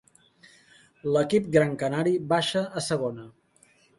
L'equip gran canari baixa a Segona.